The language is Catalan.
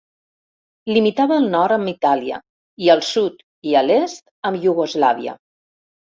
Limitava al nord amb Itàlia i al sud i a l'est amb Iugoslàvia.